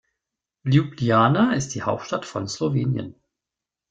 Ljubljana ist die Hauptstadt von Slowenien.